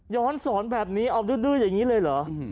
สอนแบบนี้เอาดื้ออย่างนี้เลยเหรอ